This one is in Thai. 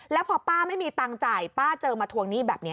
แล้วพอป้าไม่มีตังค์จ่ายป้าเจอมาทวงหนี้แบบนี้